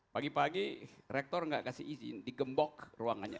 pagi pagi rektor nggak kasih izin digembok ruangannya